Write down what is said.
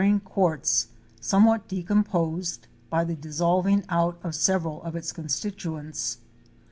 287 ing quartz, somewhat decomposed by the dissolving out of several of its constituents.